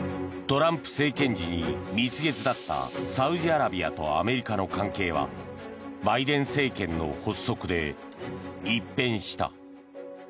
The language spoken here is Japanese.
トランプ政権時に蜜月だったサウジアラビアとアメリカの関係はバイデン政権の発足で一変した。